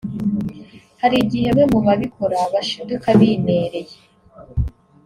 Hari igihe bamwe mu babikora bashiduka binereye